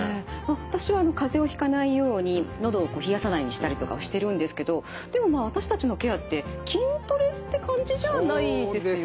私は風邪をひかないようにのどを冷やさないようにしたりとかをしてるんですけどでもまあ私たちのケアって筋トレって感じではないですよね。